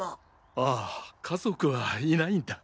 あぁ家族はいないんだ。